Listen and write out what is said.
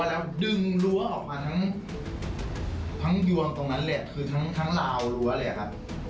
แล้วดึงรั้วออกมาทั้งทั้งยวงตรงนั้นแหละคือทั้งทั้งลาวรั้วแหละค่ะ